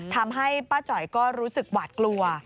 ทำให้ป้าจ๋อยก็รู้สึกหวาดกลัว